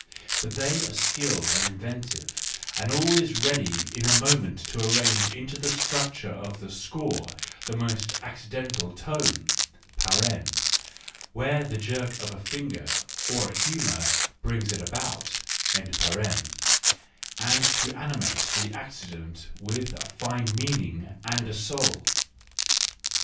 But they are skilled and inventive, and always ready in a moment to arrange into the structure of the score the most accidental tone (where the jerk of a finger or a humour brings it about), and to animate the accident with a fine meaning and a soul.